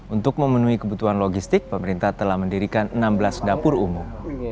untuk memenuhi kebutuhan logistik pemerintah telah mendirikan enam belas dapur umum